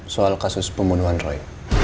soal kasus pembunuhan roy